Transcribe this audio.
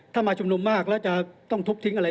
ถ้ามาชุมนุมมากแล้วจะต้องทุบทิ้งอะไร